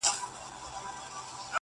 فضا له وېري او ظلم ډکه ده او درنه ده